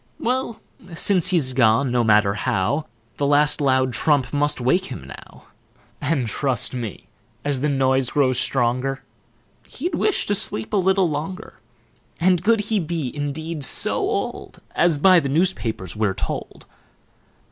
Well, since he's gone, no matter how, The last loud trump must wake him now: And, trust me, as the noise grows stronger, He'd wish to sleep a little longer. And could he be indeed so old As by the news papers we're told?